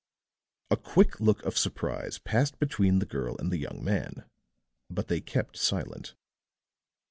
A quick look of surprise passed between the girl and the young man; but they kept silent.